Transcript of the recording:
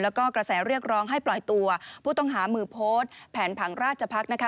แล้วก็กระแสเรียกร้องให้ปล่อยตัวผู้ต้องหามือโพสต์แผนผังราชพักษ์นะคะ